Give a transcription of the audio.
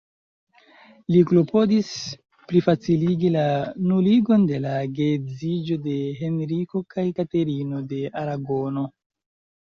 Li klopodis plifaciligi la nuligon de la geedziĝo de Henriko kaj Katerino de Aragono.